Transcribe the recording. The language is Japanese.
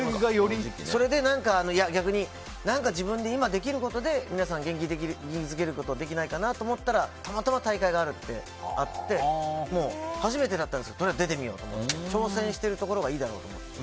それで逆に何か自分で今できることで皆さんを元気づけることができないかなと思ってたまたま大会があるってなって初めてだったんですとりあえず出てみようと思って挑戦することがいいだろうと思って。